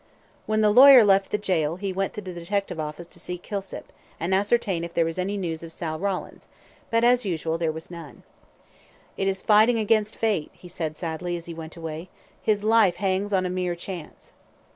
When the lawyer left the gaol, he went to the Detective Office to see Kilsip, and ascertain if there was any news of Sal Rawlins; but, as usual, there was none. "It is fighting against Fate," he said, sadly, as he went away; "his life hangs on a mere chance."